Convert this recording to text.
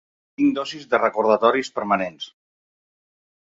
Tinc dosis de recordatoris permanents.